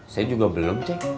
saya juga belum cek